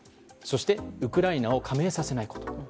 そして、ウクライナを加盟させないこと。